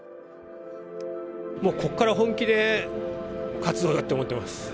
もうここから本気で活動だって思ってます。